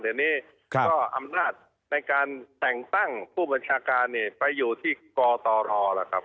เดี๋ยวนี้ก็อำนาจในการแต่งตั้งผู้บัญชาการเนี่ยไปอยู่ที่กตรล่ะครับ